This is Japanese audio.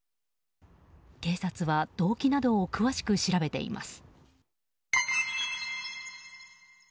警察は動機などを詳しく調べています。